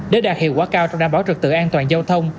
để đạt hiệu quả cao trong đảm bảo trực tự an toàn giao thông